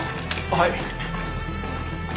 はい。